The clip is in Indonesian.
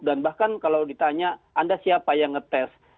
dan bahkan kalau ditanya anda siapa yang ngetes